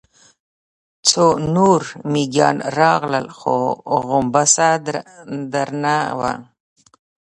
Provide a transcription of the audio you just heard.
څو نور مېږيان راغلل، خو غومبسه درنه وه.